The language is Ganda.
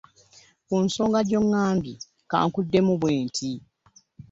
Ku nsonga gy'ogambye ka nkuddemu bwe nti.